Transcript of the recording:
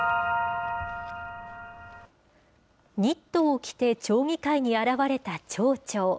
ニットを着て町議会に現れた町長。